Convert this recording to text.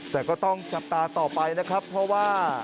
แต่ก็ต้องจับตาต่อไปนะครับเพราะว่า